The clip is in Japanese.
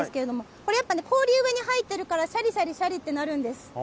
これやっぱね、氷上に入ってるから、しゃりしゃりしゃりってなるんです。